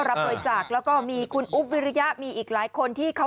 รับบริจาคแล้วก็มีคุณอุ๊บวิริยะมีอีกหลายคนที่เขา